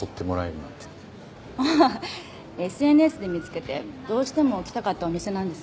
ああＳＮＳで見つけてどうしても来たかったお店なんです。